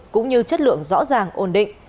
cũng như chất lượng rõ ràng ổn định